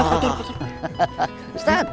assalamualaikum waalaikumsalam ustadz ustadz